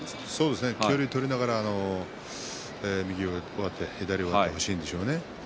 距離を取りながら右上手、左上手欲しいんでしょうね。